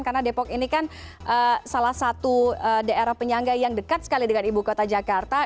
karena depok ini kan salah satu daerah penyangga yang dekat sekali dengan ibu kota jakarta